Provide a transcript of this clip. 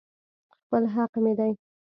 خپل حق مې دى.